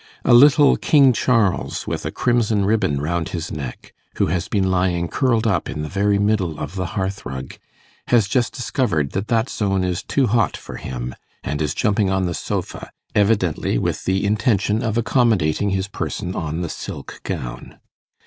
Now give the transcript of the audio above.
A little 'King Charles', with a crimson ribbon round his neck, who has been lying curled up in the very middle of the hearth rug, has just discovered that that zone is too hot for him, and is jumping on the sofa, evidently with the intention of accommodating his person on the silk gown.